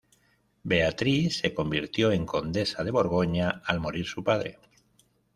Beatriz se convirtió en condesa de Borgoña al morir su padre.